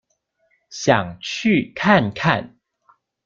想去看看